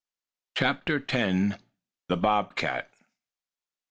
CHAPTER X. THE BOB CAT.